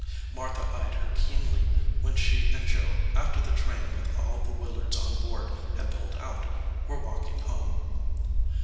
Martha eyed her keenly when she and Joe, after the train with all the Willards on board had pulled out, were walking home.